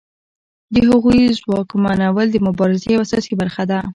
د هغوی ځواکمنول د مبارزې یوه اساسي برخه ده.